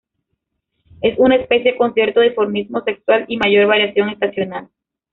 Es una especie con cierto dimorfismo sexual y mayor variación estacional.